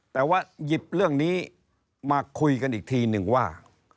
แต่ว่าหยิบเรื่องนี้มาคุยกันอีกทีหนึ่งว่า